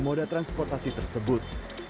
pembaikan moda transportasi tersebut